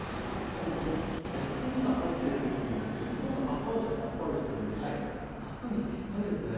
しかもこの薬味が入ってることによってすごく後味がさっぱりしてるんで夏にぴったりですね。